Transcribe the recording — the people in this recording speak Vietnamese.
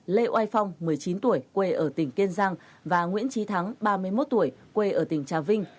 lê oai phong một mươi chín tuổi quê ở tỉnh kiên giang và nguyễn trí thắng ba mươi một tuổi quê ở tỉnh trà vinh